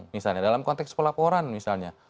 misalnya dalam konteks pelaporan misalnya